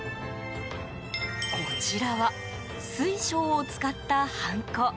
こちらは、水晶を使ったハンコ。